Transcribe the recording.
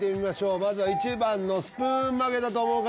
まずは１番のスプーン曲げだと思う方